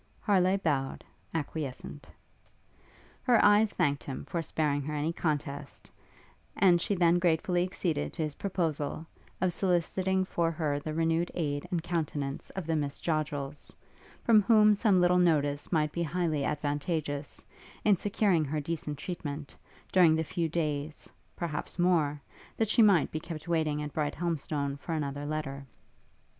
Harleigh bowed, acquiescent. Her eyes thanked him for sparing her any contest, and she then gratefully acceded to his proposal, of soliciting for her the renewed aid and countenance of the Miss Joddrels, from whom some little notice might be highly advantageous, in securing her decent treatment, during the few days, perhaps more, that she might be kept waiting at Brighthelmstone for another letter.